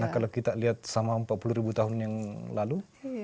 kalau kita lihat sama empat puluh ribu tahun yang lalu